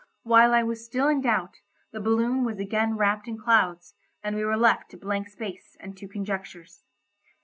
While I was still in doubt, the balloon was again wrapped in clouds, and we were left to blank space and to conjectures.